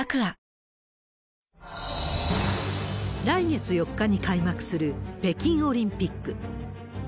来月４日に開幕する北京オリンピック。